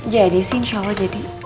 jadi sih insya allah jadi